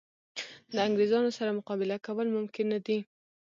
د انګرېزانو سره مقابله کول ممکن نه دي.